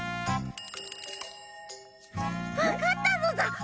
わかったのだ！